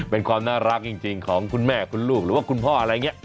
เป็นความน่ารักจริงของคุณแม่คุณลูกหรือว่าคุณพ่ออะไรอย่างนี้